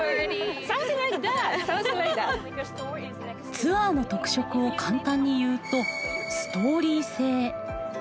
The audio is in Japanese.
ツアーの特色を簡単に言うとストーリー性。